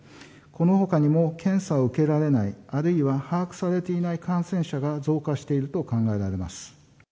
このほかにも検査を受けられない、あるいは把握されていない感染者が増加していると考えられます。